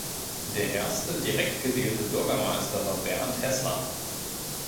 Der erste direkt gewählte Bürgermeister war Bernd Heßler.